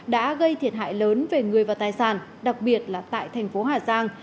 đã gây thiệt hại lớn về người và tài sản đặc biệt là tại thành phố hà giang